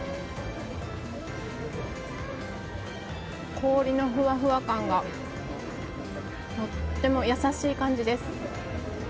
氷のふわふわ感がとっても優しい感じです。